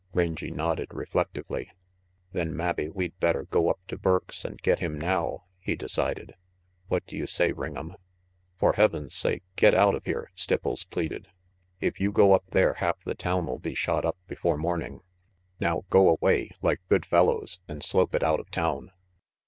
Rangy nodded reflectively. "Then mabbe we'd better go up to Burke's and get him now," he decided. " What do you say, Ring'em? " "For Heaven's sake, get out of here," Stipples pleaded. "If you go up there, half the town'll be shot up before morning. Now go away, like good fellows, and slope it out of town."